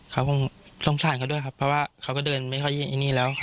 เขาคงสงสารเขาด้วยครับเพราะว่าเขาก็เดินไม่ค่อยนี่แล้ว